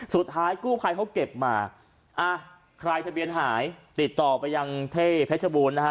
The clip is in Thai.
สุดท้ายกู้ภัยเขาเก็บมาอ่ะใครทะเบียนหายติดต่อไปยังเท่เพชรบูรณ์นะฮะ